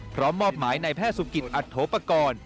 พร้อมมอบหมายนายแภ่ศุกิษฐ์อัตโภกร